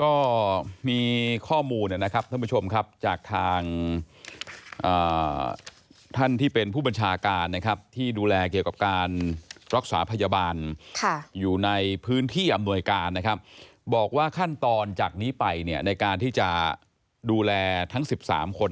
ก็มีข้อมูลนะครับท่านผู้บัญชาการที่ดูแลเกี่ยวกับการรักษาพยาบาลอยู่ในพื้นที่อำนวยการบอกว่าขั้นตอนจากนี้ไปในการที่จะดูแลทั้ง๑๓คน